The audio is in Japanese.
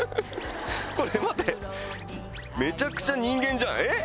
これ待ってめちゃくちゃ人間じゃない？